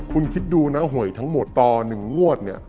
คุณคิดดูนะหวยทั้งหมดต่อ๑งวดเนี่ย